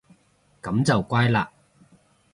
噉就乖嘞